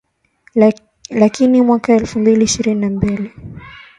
Lakini mwaka elfu mbili ishirini na mbili